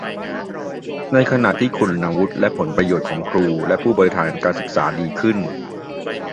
ในขณะที่คุณวุฒิและผลประโยชน์ของครูและผู้บริหารการศึกษาดีขึ้น